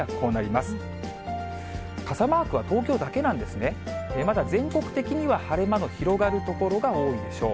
まだ全国的には晴れ間の広がる所が多いでしょう。